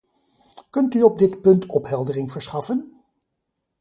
Kunt u op dit punt opheldering verschaffen?